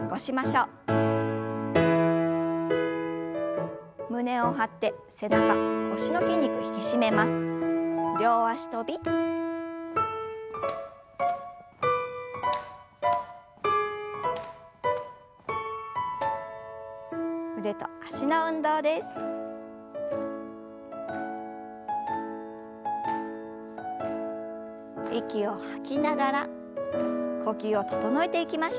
息を吐きながら呼吸を整えていきましょう。